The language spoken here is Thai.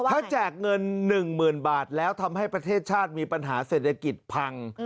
ถ้าแจกเงิน๑๐๐๐บาทแล้วทำให้ประเทศชาติมีปัญหาเศรษฐกิจพัง